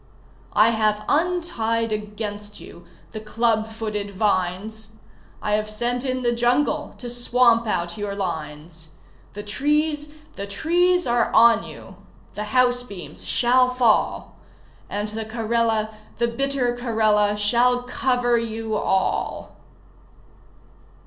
I have untied against you the club footed vines, I have sent in the Jungle to swamp out your lines. The trees the trees are on you! The house beams shall fall, And the Karela, the bitter Karela, Shall cover you all!